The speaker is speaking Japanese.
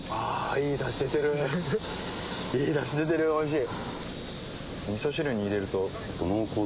いいダシ出てるおいしい。